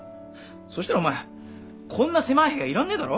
そしたらお前こんな狭い部屋いらんねえだろ？